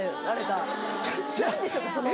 何でしょうかその。